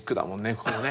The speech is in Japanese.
ここもね。